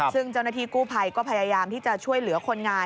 ซึ่งเจ้าหน้าที่กู้ภัยก็พยายามที่จะช่วยเหลือคนงาน